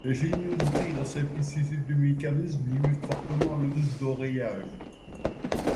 L'ingéniosité et la simplicité du mécanisme limitent fortement le risque d'enrayage.